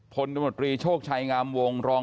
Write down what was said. ผลกรรมดรีโชคชัยงามวงรอง